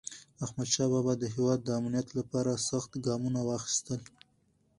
احمدشاه بابا د هیواد د امنیت لپاره سخت ګامونه واخیستل.